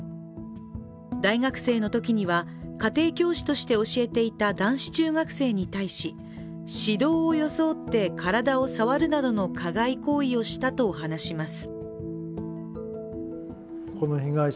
大学生のときには家庭教師として教えていた男子中学生に対し指導を装って体を触るなどの加害行為をしたと話します。